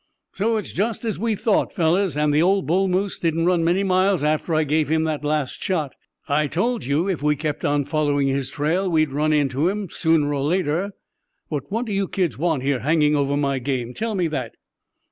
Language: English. "So, it's just as we thought, fellows, and the old bull moose didn't run many miles after I gave him that last shot! I told you if we kept on following his trail we'd run onto him sooner or later. But what do you kids want here, hanging over my game? Tell me that!"